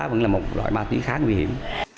vẫn là một loại ma túy khá nguy hiểm